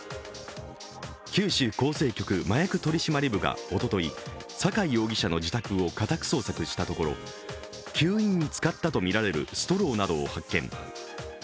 九州厚生局麻薬取締部がおととい坂井容疑者の自宅を家宅捜索したところ吸引に使ったとみられるストローを発見。